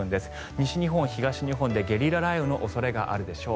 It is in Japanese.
西日本、東日本でゲリラ雷雨の恐れがあるでしょう。